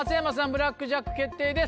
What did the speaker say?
ブラックジャック決定です。